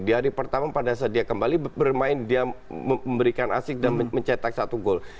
di hari pertama pada saat dia kembali bermain dia memberikan asik dan mencetak satu gol